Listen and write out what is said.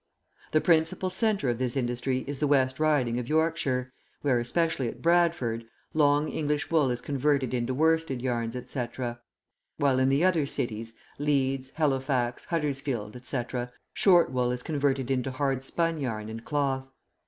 The principal centre of this industry is the West Riding of Yorkshire, where, especially at Bradford, long English wool is converted into worsted yarns, etc.; while in the other cities, Leeds, Halifax, Huddersfield, etc., short wool is converted into hard spun yarn and cloth.